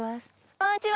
こんにちは。